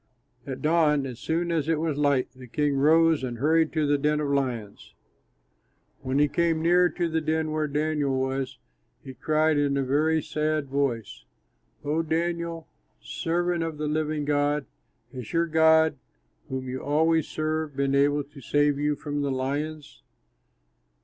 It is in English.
At dawn, as soon as it was light, the king rose and hurried to the den of lions. When he came near to the den where Daniel was, he cried with a very sad voice, "O Daniel, servant of the living God, has your God, whom you always serve, been able to save you from the lions?"